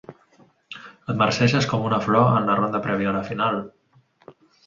Et marceixes com una flor en la ronda prèvia a la final.